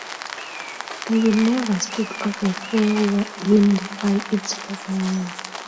They will never speak of a fair wind by its proper name.